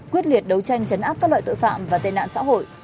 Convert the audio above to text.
quyết liệt đấu tranh chấn áp các loại tội phạm và tên nạn xã hội